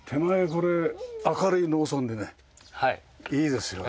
これ明るい農村でねいいですよね。